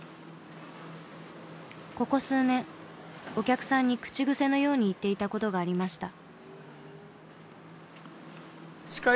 ここ数年お客さんに口癖のように言っていた事がありました。